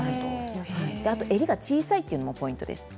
襟が小さいというのもポイントです。